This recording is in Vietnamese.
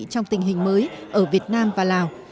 trong tình hình mới ở việt nam và lào